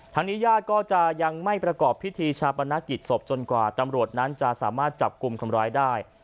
ทางนี้ญาติก็จะยังไม่ประกอบพิธีชาปนกิจศพจนกว่าตำรวจนั้นจะสามารถจับกลุ่มคนร้ายได้